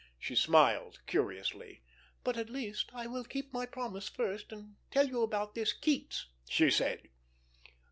She smiled curiously. "But, at least, I will keep my promise first, and tell you about this Keats," she said.